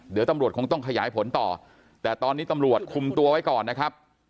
เดี๋ยวตำรวจคงต้องขยายผลต่อแต่ตอนนี้ตำรวจคุมตัวไว้ก่อนนะครับ